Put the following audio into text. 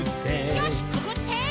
よしくぐって！